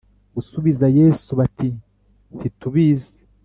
gusubiza Yesu bati ntitubizi